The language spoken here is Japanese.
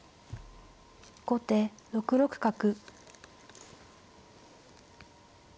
後手６六角。